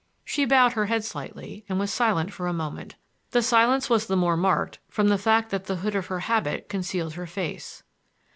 She bowed her head slightly and was silent for a moment. The silence was the more marked from the fact that the hood of her habit concealed her face.